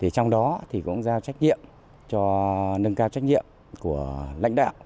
trong đó cũng giao trách nhiệm cho nâng cao trách nhiệm của lãnh đạo